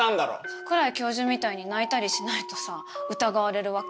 桜井教授みたいに泣いたりしないとさ疑われるわけ？